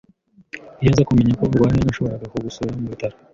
Iyo nza kumenya ko urwaye, nashoboraga kugusura mubitaro.